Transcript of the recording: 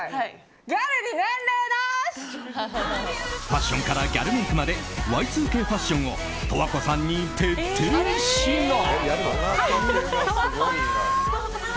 ファッションからギャルメイクまでＹ２Ｋファッションを十和子さんに徹底指南。